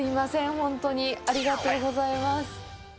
ほんとにありがとうございます